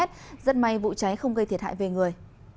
rất may vụ cháy không gây thiệt hại về người